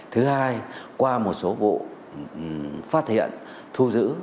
thứ hai qua một số vụ phát hiện thu giữ